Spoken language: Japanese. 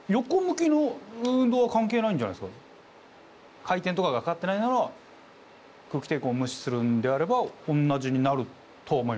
回転とかがかかってないなら空気抵抗を無視するんであればおんなじになると思います。